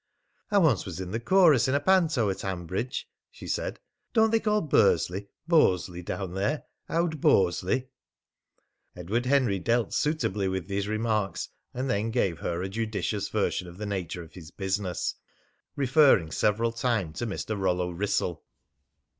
"I once was in the chorus in a panto at Hanbridge," she said. "Don't they call Bursley 'Bosley' down there 'owd Bosley'?" Edward Henry dealt suitably with these remarks, and then gave her a judicious version of the nature of his business, referring several time to Mr. Rollo Wrissell.